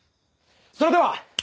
それでは！